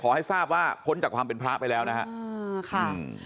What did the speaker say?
ให้ทราบว่าพ้นจากความเป็นพระไปแล้วนะฮะ